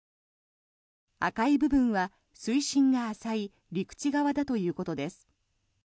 赤い部分は水深が浅い陸地側だということです。